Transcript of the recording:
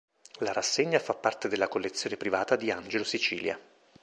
La rassegna fa parte della collezione privata di Angelo Sicilia.